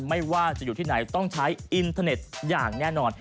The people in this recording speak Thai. ไม่ว่าจะอยู่ที่ไหนต้องใช้อินเทอร์เน็ตอย่างแน่นอน